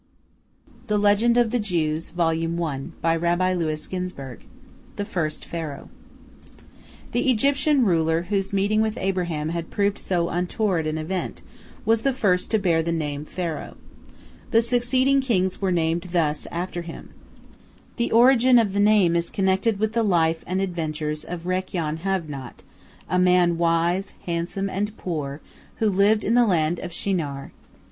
THE FIRST PHARAOH The Egyptian ruler, whose meeting with Abraham had proved so untoward an event, was the first to bear the name Pharaoh. The succeeding kings were named thus after him. The origin of the name is connected with the life and adventures of Rakyon, Have naught, a man wise, handsome, and poor, who lived in the land of Shinar.